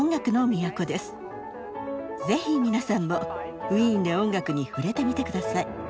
ぜひみなさんもウィーンで音楽に触れてみてください。